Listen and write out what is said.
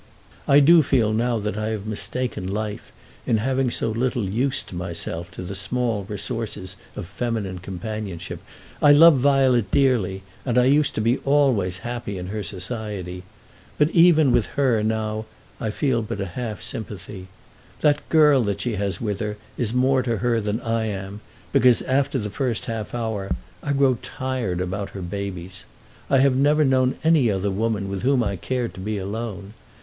I do feel now that I have mistaken life in having so little used myself to the small resources of feminine companionship. I love Violet dearly, and I used to be always happy in her society. But even with her now I feel but a half sympathy. That girl that she has with her is more to her than I am, because after the first half hour I grow tired about her babies. I have never known any other woman with whom I cared to be alone.